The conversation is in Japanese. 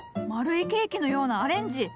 丸いケーキのようなアレンジ。